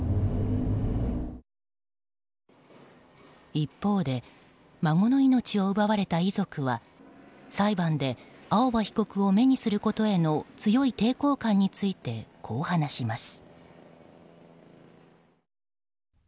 一方で孫の命を奪われた遺族は裁判で青葉被告を目にすることへの強い抵抗感についてこう話します。